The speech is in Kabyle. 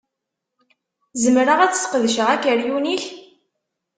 Zemreɣ ad ssqedceɣ akeryun-ik?